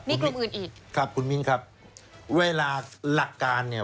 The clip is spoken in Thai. มีกลุ่มอื่นอีกครับคุณมิ้นครับเวลาหลักการเนี่ย